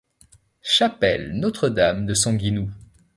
Chapelle Notre-Dame-de-Sanguinou.